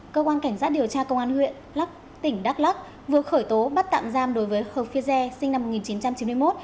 cơ quan cảnh giác điều tra công an huyện lắc tỉnh đắk lắc vừa khởi tố bắt tạm giam đối với hợp phía gia sinh năm một nghìn chín trăm chín mươi một